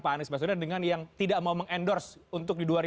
pak anies masudar dengan yang tidak mau meng endorse untuk di dua ribu dua puluh empat